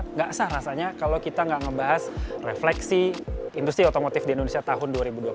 nggak sah rasanya kalau kita nggak ngebahas refleksi industri otomotif di indonesia tahun dua ribu dua puluh